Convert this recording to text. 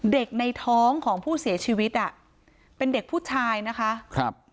เด็กในท้องของผู้เสียชีวิตเป็นเด็กผู้ชายนะคะ